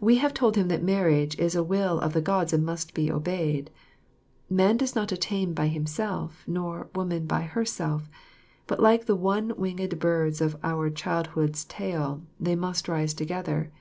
We have told him that marriage is a will of the Gods and must be obeyed. "Man does not attain by himself, nor, Woman by herself, but like the one winged birds of our childhood's tale, they must rise together."